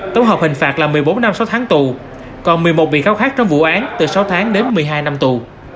tổng hợp hình phạt là một mươi bốn năm sáu tháng tù còn một mươi một bị cáo khác trong vụ án từ sáu tháng đến một mươi hai năm tù